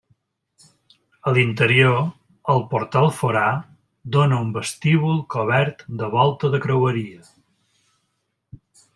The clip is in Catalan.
A l'interior el portal forà dóna a un vestíbul cobert de volta de creueria.